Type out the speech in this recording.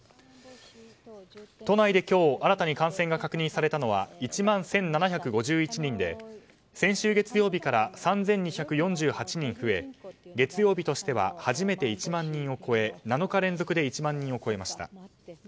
都内で今日新たに感染が確認されたのは１万１７５１人で先週月曜日から３２４８人増え月曜日としては初めて１万人を超え７日連続で１万人を超えました。